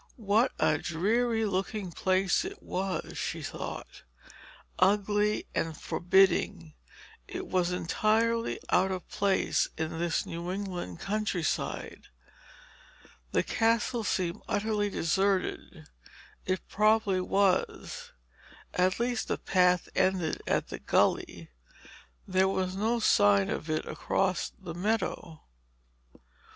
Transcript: What a dreary looking place it was, she thought. Ugly and forbidding, it was entirely out of place in this New England countryside. The Castle seemed utterly deserted. It probably was. At least the path ended at the gully; there was no sign of it across the meadow.